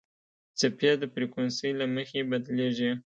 څپې د فریکونسۍ له مخې بدلېږي.